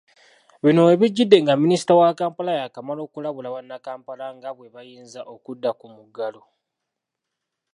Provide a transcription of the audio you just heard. Bino webigidde nga Minisita wa Kampala, yakamala okulabula bannakampala nga bwebayinza okudda ku muggalo.